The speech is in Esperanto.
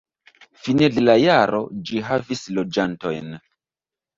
Fine de la jaro ĝi havis loĝantojn.